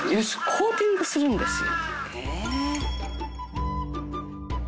コーティングするんですよ。